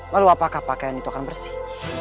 lalu apakah pakaian itu akan bersih